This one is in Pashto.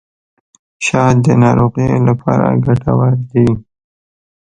شات د ناروغیو لپاره ګټور دي.